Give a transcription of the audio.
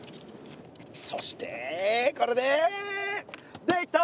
そしてこれでできた！